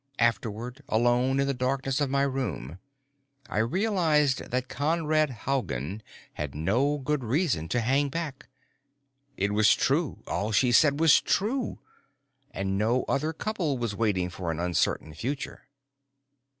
Afterward, alone in the darkness of my room, I realized that Conrad Haugen had no good reason to hang back. It was true, all she said was true, and no other couple was waiting for an uncertain future.